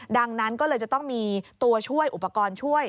ดังนั้นก็เลยจะต้องมีตัวช่วยอุปกรณ์ช่วย